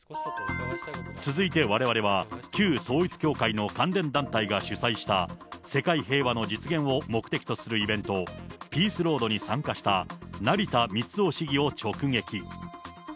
続いてわれわれは、旧統一教会の関連団体が主催した、世界平和の実現を目的とするイベント、ピースロードに参加した成田光雄市議を直撃。